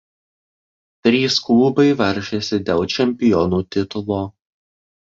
Trys klubai varžėsi dėl čempionų titulo.